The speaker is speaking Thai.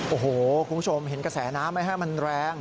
โอ้โหคุณผู้ชมเห็นกระแสน้ำไหมฮะมันแรง